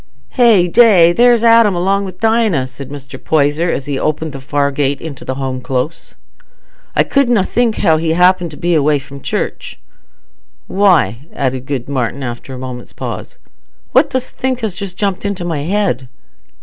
"Hey day! There's Adam along wi' Dinah," said Mr. Poyser, as he opened the far gate into the Home Close. "I couldna think how he happened away from church. Why," added good Martin, after a moment's pause, "what dost think has just jumped into my head?"